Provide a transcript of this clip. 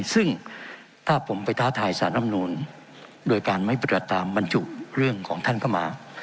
ซึ่งถ้าผมไปท้าทายสารรำนูนโดยการไม่ปฏิบัติตามบรรจุเรื่องของท่านเข้ามา